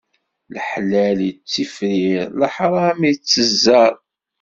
Leḥlal ittifrir, leḥṛam ittezzer.